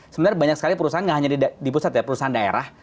sebenarnya banyak sekali perusahaan nggak hanya di pusat ya perusahaan daerah